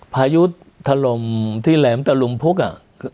พายุแหลมตะลุมภุกอ่ะ